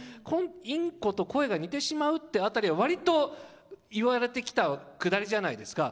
インコと声が似てしまうっていう辺りは割と、言われてきたくだりじゃないですか。